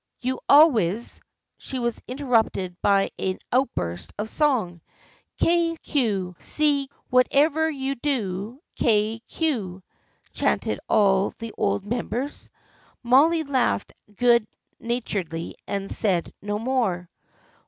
You always " She was interrupted by an outburst of song. " K ! Q ! C ! What ever you do, K ! Q !" chanted all the old members. Molly laughed good na turedly and said no more.